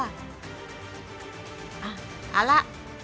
เอาละ